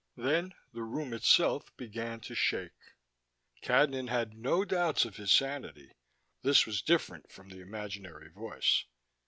Then the room itself began to shake. Cadnan had no doubts of his sanity: this was different from the imaginary voice.